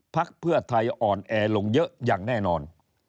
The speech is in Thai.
พักเพื่อไทยอ่อนแอลงเยอะอย่างแน่นอน